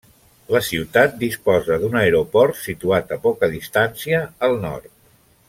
La ciutat disposa d'un aeroport situat a poca distància al nord.